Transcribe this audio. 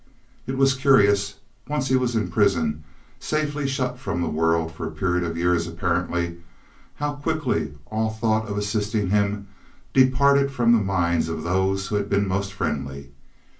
It was curious, once he was in prison, safely shut from the world for a period of years apparently, how quickly all thought of assisting him departed from the minds of those who had been most friendly.